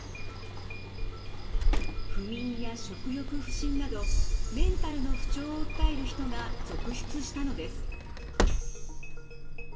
不眠や食欲不振などメンタルの不調を訴える人が続出したのです。